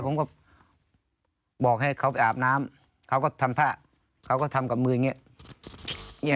ผมก็บอกให้เขาไปอาบน้ำเขาก็ทำท่าเขาก็ทำกับมืออย่างนี้